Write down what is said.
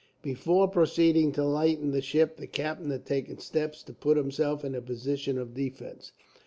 Before proceeding to lighten the ship, the captain had taken steps to put himself in a position of defence.